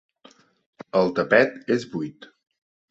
El tapet és buit.